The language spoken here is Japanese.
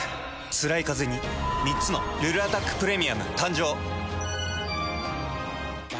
つらいカゼに３つの「ルルアタックプレミアム」誕生。